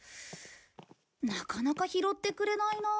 なかなか拾ってくれないなあ。